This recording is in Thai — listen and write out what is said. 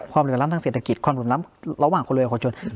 ความหลุดล้ำทางเศรษฐกิจความหลุดล้ำระหว่างคนรุยกับคนจน